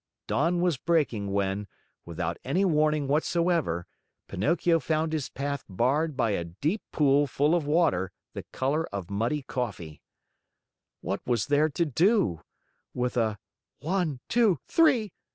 Dawn was breaking when, without any warning whatsoever, Pinocchio found his path barred by a deep pool full of water the color of muddy coffee. What was there to do? With a "One, two, three!"